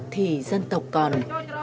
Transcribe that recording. thì dân tộc còn